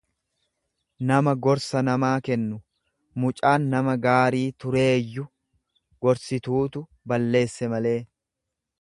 nama gorsa namaa kennu, Mucaan nama gaarii tureeyyu gorsituutu balleesse malee.